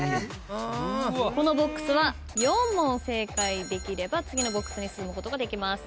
このＢＯＸは４問正解できれば次のＢＯＸに進むことができます。